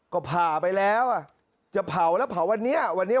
ก็ผ่าไปแล้วจะเผาแล้วเผาวันนี้